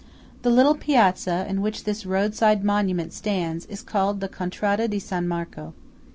The little piazza in which this roadside monument stands is called the Contrada di San Marco.